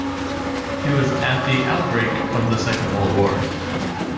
It was at the outbreak of the Second World War.